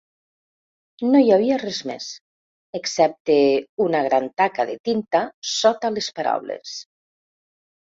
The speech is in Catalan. No hi havia res més, excepte una gran taca de tinta sota les paraules.